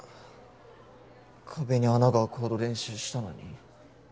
壁に穴が開くほど練習したのに。